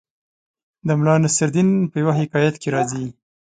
د ملا نصرالدین په یوه حکایت کې راځي